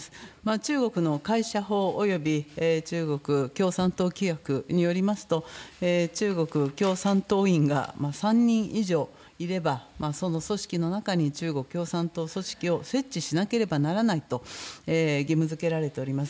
中国の会社法および中国共産党規約によりますと、中国共産党員が３人以上いれば、その組織の中に中国共産党組織を設置しなければならないと、義務づけられております。